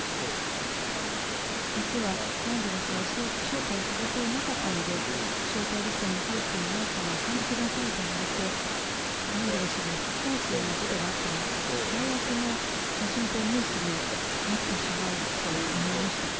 実は、マンデラ氏は招待されていなかったので招待リストに入っていないからお帰りくださいと言われてマンデラ氏が引き返すようなことがあったら最悪の写真とニュースになってしまうと思いました。